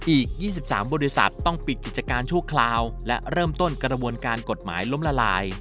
อีก๒๓บริษัทต้องปิดกิจการชั่วคราวและเริ่มต้นกระบวนการกฎหมายล้มละลาย